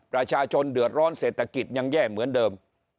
ประชาชนเดือดร้อนเศรษฐกิจยังแย่เหมือนเดิม